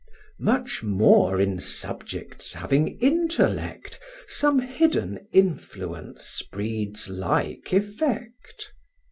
Much more in subjects having intellect Some hidden influence breeds like effect.